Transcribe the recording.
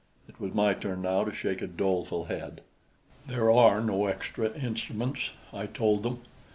It was my turn now to shake a doleful head. "There are no extra instruments," I told them.